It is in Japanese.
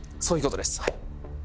そういうことです。